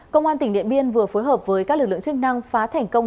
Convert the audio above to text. công an tỉnh điện biên vừa phối hợp với các lực lượng chức năng phá thành công